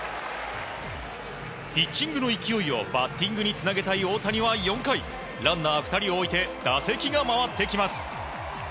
ピッチングの勢いをバッティングにつなげたい大谷は４回ランナー２人を置いて打席が回ってきます。